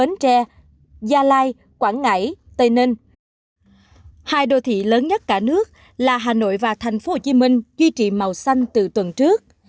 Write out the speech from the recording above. hai đô thị lớn nhất cả nước là hà nội và thành phố hồ chí minh duy trì màu xanh từ tuần trước